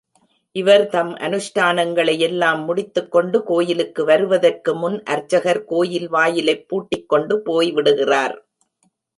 இவர் தம் அனுஷ்டானங்களையெல்லாம் முடித்துக் கொண்டு கோயிலுக்கு வருவதற்கு முன் அர்ச்சகர் கோயில் வாயிலைப் பூட்டிக்கொண்டு போய் விடுகிறார்.